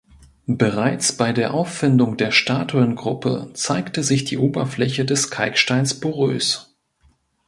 Bereits bei der Auffindung der Statuengruppe zeigte sich die Oberfläche des Kalksteins porös.